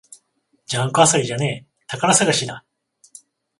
ジャンク漁りじゃねえ、宝探しだ